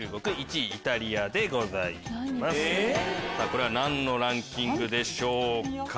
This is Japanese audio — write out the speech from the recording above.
これは何のランキングでしょうか？